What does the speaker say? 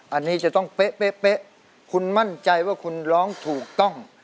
อันนี้จะต้องเป๊ะคุณมั่นใจว่าคุณร้องถูกต้อง